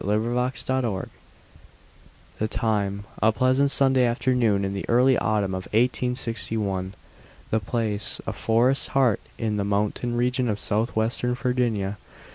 THE MOCKING BIRD The time, a pleasant Sunday afternoon in the early autumn of 1861. The place, a forest's heart in the mountain region of southwestern Virginia.